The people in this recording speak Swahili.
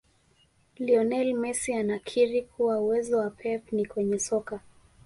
Lionel Messi anakiri kuwa uwezo wa pep ni kwenye soka